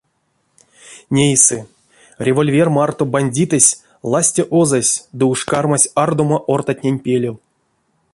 Нейсы: револьвер марто бандитэсь ласте озась ды уш кармась ардомо ортатнень пелев.